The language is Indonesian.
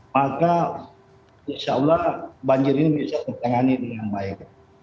maka insya allah banjir ini bisa tertangani dengan baik